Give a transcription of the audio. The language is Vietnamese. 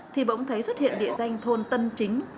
thì bỗng thấy xuất hiện địa danh thôn tân chính